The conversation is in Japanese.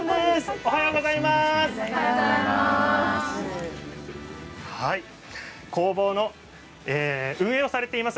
おはようございます。